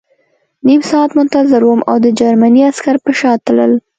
نیم ساعت منتظر وم او د جرمني عسکر په شا تلل